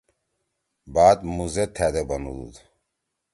بات مُو زید تھأدے بنُودُود